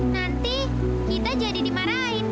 nanti kita jadi dimarahin